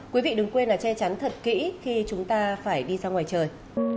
quý vị đừng quên là che chắn thật kỹ khi chúng ta phải đi ra ngoài trời